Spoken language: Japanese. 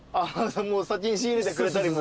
先に仕入れてくれたりも。